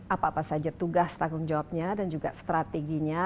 apa apa saja tugas tanggung jawabnya dan juga strateginya